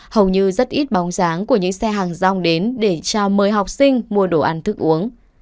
hầu như rất ít bóng dáng của những xe hàng rong đến để chào mời học sinh mua đồ ăn thức uống